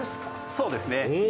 そうですね。